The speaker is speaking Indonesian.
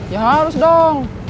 ya harus dong